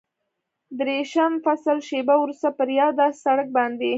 دېرشم فصل، شېبه وروسته پر یو داسې سړک باندې.